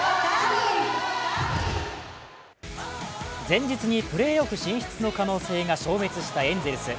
前日にプレーオフ進出の可能性が消滅したエンゼルス。